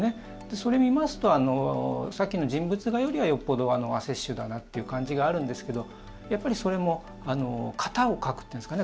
それ見ますとさっきの人物画よりはよっぽど雪舟だなという感じがあるんですけどやっぱりそれも型を描くというのですね